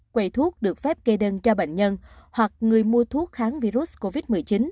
quầy thuốc được phép gây đơn cho bệnh nhân hoặc người mua thuốc kháng virus covid một mươi chín